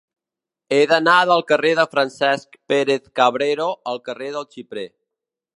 He d'anar del carrer de Francesc Pérez-Cabrero al carrer del Xiprer.